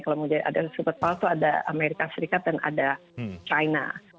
kalau mau jadi ada super power itu ada amerika serikat dan ada china